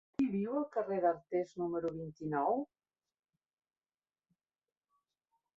Qui viu al carrer d'Artés número vint-i-nou?